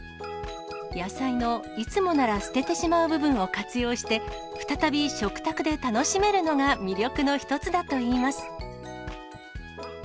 野菜のいつもなら捨ててしまう部分を活用して、再び食卓で楽しめるのが魅力の一つだといいます。